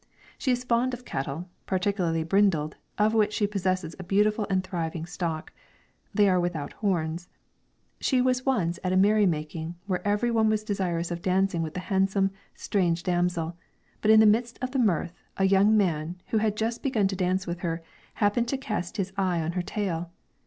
She is fond of cattle, particularly brindled, of which she possesses a beautiful and thriving stock. They are without horns. She was once at a merry making, where every one was desirous of dancing with the handsome, strange damsel; but in the midst of the mirth a young man, who had just begun a dance with her, happened to cast his eye on her tail.